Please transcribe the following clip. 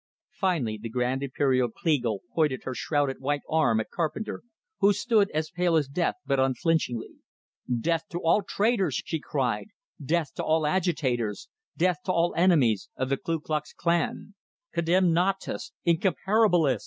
Finally the Grand Imperial Kleagle pointed her shrouded white arm at Carpenter, who stood, as pale as death, but unflinchingly. "Death to all traitors!" she cried. "Death to all agitators! Death to all enemies of the Ku Klux Klan! Condemnatus! Incomparabilis!